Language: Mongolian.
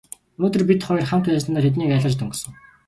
Өнөөдөр бид хоёр хамт байсандаа тэднийг айлгаж дөнгөсөн.